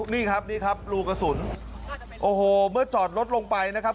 นี่ครับนี่ครับรูกระสุนโอ้โหเมื่อจอดรถลงไปนะครับ